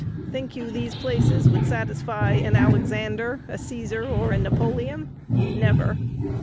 Think you these places would satisfy an Alexander, a Cæsar, or a Napoleon? Never!